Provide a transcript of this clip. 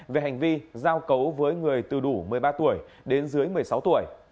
về hành vi giao cấu với người từ đủ một mươi ba tuổi đến dưới một mươi sáu tuổi